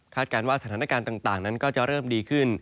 การว่าสถานการณ์ต่างนั้นก็จะเริ่มดีขึ้น